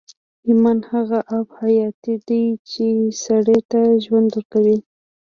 ايمان هغه آب حيات دی چې سړي ته ژوند ورکوي.